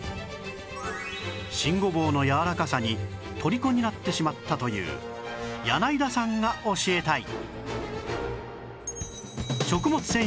新ごぼうのやわらかさに虜になってしまったという柳井田さんが教えたい